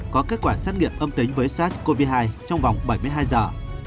có kết quả xét nghiệm âm tính với sars cov hai trong vòng bảy mươi hai giờ